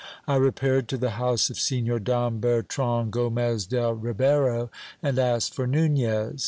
I repaired to the house of Signor Don Bertrand Gomez del Ribero, and asked for Nunez.